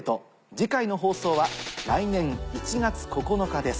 次回の放送は来年１月９日です。